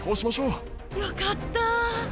よかった。